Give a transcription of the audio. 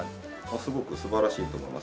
すごく素晴らしいと思います。